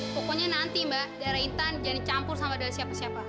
pokoknya nanti mbak darah intan jangan dicampur sama darah siapa siapa